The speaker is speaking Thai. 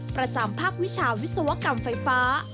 ประจำภาควิชาวิศวกรรมไฟฟ้า